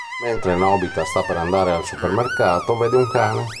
Mentre Nobita sta per andare al supermercato vede un cane.